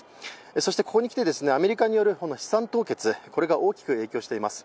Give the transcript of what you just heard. そしてここにきてアメリカによる資産凍結が大きく影響しています。